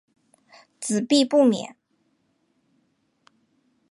子必不免。